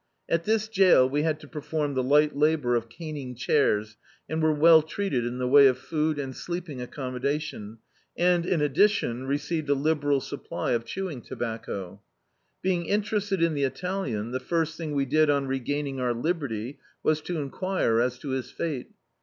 At this jail we had to perform the light labour of caning chairs, and were well treated in the way of food and sleeping accommodation and, in addition, received a liberal supply of chewing tobacco. Being interested in the Italian, the first thing we did oa regaining our liberty was to enquire as to his fate.